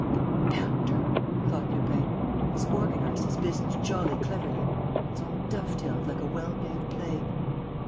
"The bounder!" thought Lupin. "He's organized his business jolly cleverly. It's all dove tailed like a well made play."